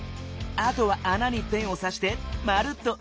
あとはあなにペンをさしてまるっとうごかしてみよう。